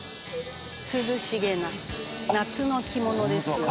涼しげな夏の着物ですよ。